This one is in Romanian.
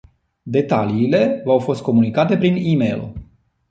Detaliile v-au fost comunicate prin e-mail.